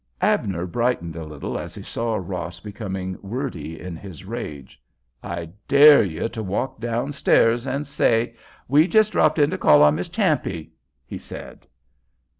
Abner brightened a little as he saw Ross becoming wordy in his rage. "I dare you to walk downstairs and say, ''We just dropped in to call on Miss Champe'!" he said.